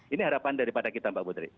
ini harapan daripada kita mbak putri